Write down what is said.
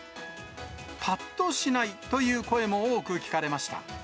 ぱっとしないという声も多く聞かれました。